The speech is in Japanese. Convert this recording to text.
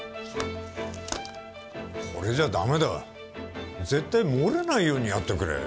これじゃだめだ。絶対漏れないようにやってくれ。